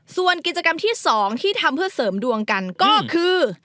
ส่วนกิจกรรมที่๒ที่ทำเพื่อเสริมดวงกันก็คือ